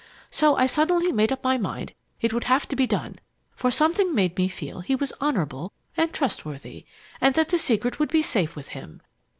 So I suddenly made up my mind it would have to be done, for something made me feel he was honorable and trustworthy, and that the secret would be safe with him.